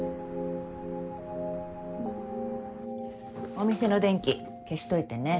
お店の電気消しといてね。